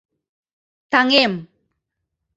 Таҥем!